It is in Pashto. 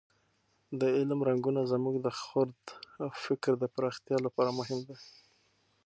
د علم رنګونه زموږ د خرد او فکر د پراختیا لپاره مهم دي.